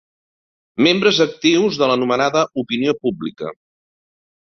Membres actius de l'anomenada opinió pública.